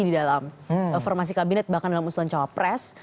di dalam formasi kabinet bahkan dalam usulan cawapres